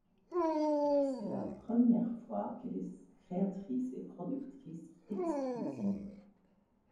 C'est la première fois qu'elle est créatrice et productrice exclusive.